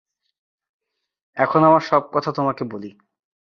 এখন আমার সব কথা তোমাকে বলি।